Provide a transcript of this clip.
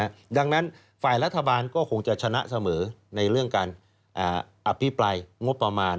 ดังนั้นฝ่ายรัฐบาลก็คงจะชนะเสมอในเรื่องการอภิปรายงบประมาณ